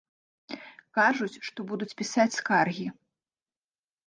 Кажуць, што будуць пісаць скаргі.